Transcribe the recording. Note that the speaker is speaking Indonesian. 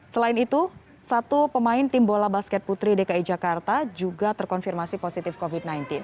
selain itu satu pemain tim bola basket putri dki jakarta juga terkonfirmasi positif covid sembilan belas